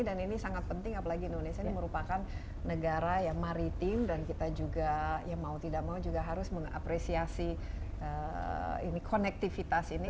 dan ini sangat penting apalagi indonesia ini merupakan negara yang maritim dan kita juga ya mau tidak mau juga harus mengapresiasi ini konektivitas ini